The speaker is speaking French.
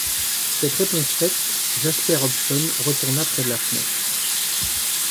Cette réponse faite, Jasper Hobson retourna près de la fenêtre.